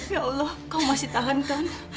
ya allah kau masih tahan kan